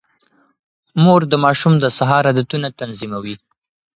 مور د ماشوم د سهار عادتونه تنظيموي.